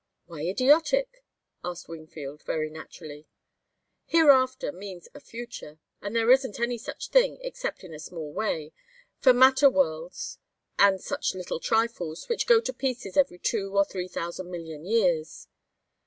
"Why idiotic?" asked Wingfield, very naturally. "Hereafter means a future, and there isn't any such thing, except in a small way, for matter worlds and such little trifles, which go to pieces every two or three thousand million years."